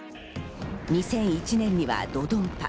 ２００１年にはドドンパ。